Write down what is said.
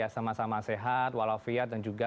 sama sama sehat walau fiat dan juga